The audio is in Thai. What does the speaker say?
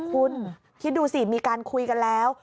คุณคิดดูสิมีการคุยกันแล้ว